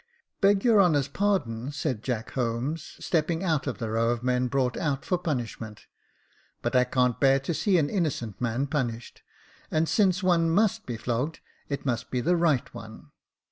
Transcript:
"* Beg your honour's pardon,' said Jack Holmes, stepping out of the row of men brought out for punish ment ;' but I can't bear to see an innocent man punished, and since one must be flogged, it must be the right one.